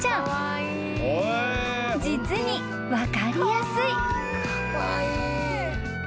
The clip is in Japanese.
［実に分かりやすい］